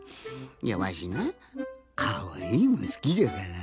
いやわしなかわいいもんすきじゃから。